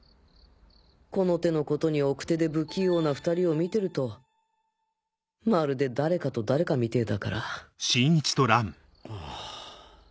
この手のことに奥手で不器用な２人を見てるとまるで誰かと誰かみてぇだからハァ。